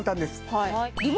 はい。